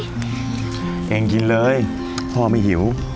เองกินเลยพ่อไม่หิว